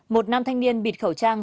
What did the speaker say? một nam thanh niên bịt khẩu trang